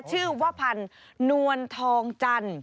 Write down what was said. ชื่อว่าพันธ์นวลทองจันทร์